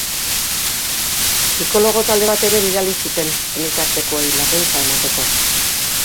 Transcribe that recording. Psikologo talde bat ere bidali zuten senitartekoei laguntza emateko.